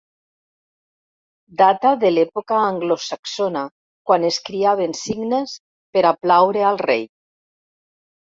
Data de l'època anglosaxona quan es criaven cignes per a plaure al rei.